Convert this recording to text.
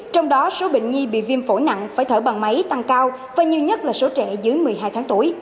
trong đó số bệnh nhi bị viêm phổi nặng phải thở bằng máy tăng cao và nhiều nhất là số trẻ dưới một mươi hai tháng tuổi